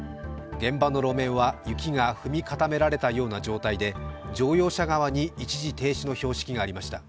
現場の路面は雪が踏み固められたような状態で乗用車側に一時停止の標識がありました。